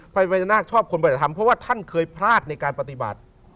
พญานาคชอบคนปฏิบัติธรรมเพราะว่าท่านเคยพลาดในการปฏิบัติ